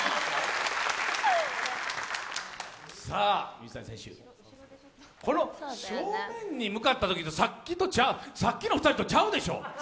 水谷選手、この正面に向かったときさっきの２人と違うでしょう？